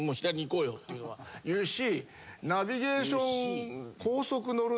言うし。